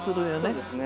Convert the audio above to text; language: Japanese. そうですね。